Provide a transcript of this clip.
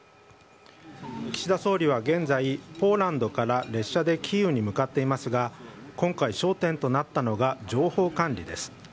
岸田総理は現在、ポーランドから列車でキーウに向かっていますが今回、焦点となったのは情報管理です。